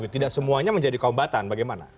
tidak semuanya menjadi kombatan bagaimana